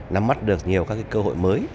nắm mắt được nhiều cơ hội mới